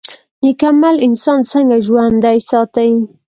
نیک عمل انسان څنګه ژوندی ساتي؟